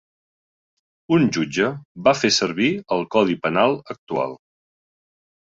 Un jutge va fer servir el codi penal actual